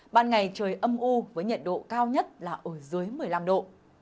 ban ngày trời âm u với nhiệt độ cao nhất là ở dưới một mươi năm độ